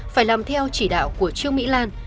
phải làm theo chỉ đạo của trương mỹ lan